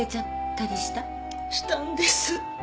したんです。